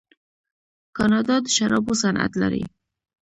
کاناډا د شرابو صنعت لري.